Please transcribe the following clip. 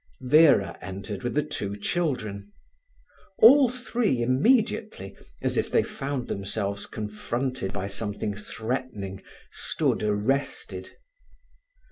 Vera entered with the two children. All three immediately, as if they found themselves confronted by something threatening, stood arrested.